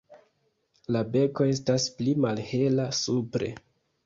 La beko estas pli malhela supre.